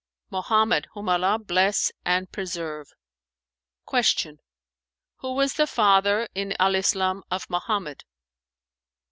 "Mohammed, whom Allah bless and preserve!" Q "Who was the father in Al Islam of Mohammed?"